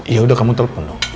yaudah kamu telepon dong